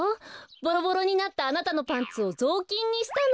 ボロボロになったあなたのパンツをぞうきんにしたの。